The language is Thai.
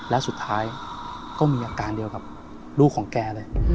และสุดท้ายมีอาการเดียวกับลูกของแก